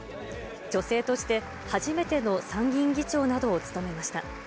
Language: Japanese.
女性として初めての参議院議長などを務めました。